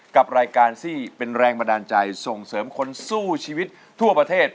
กับรายการที่เป็นแรงบันดาลใจส่งเสริมคนสู้ชีวิตทั่วประเทศ